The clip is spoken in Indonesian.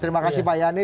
terima kasih pak yani